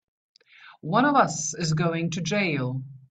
One of us is going to jail!